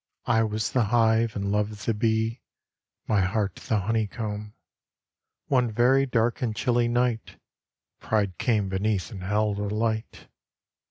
I was the hive and Love the bee, My heart the honey comb. One very dark and chilly night Pride came beneath and held a light.